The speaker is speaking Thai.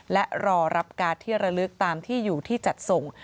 และรอรับการ์ดที่ระลึกตามที่อยู่ที่จัดส่ง